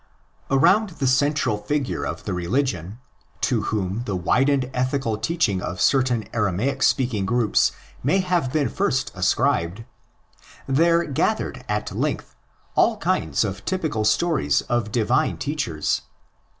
Around the central figure of the religion, to whom the widened ethical teaching of certain Aramaic speaking groups may have been first ascribed, there gathered at length all kinds of typical stories of divine teachers.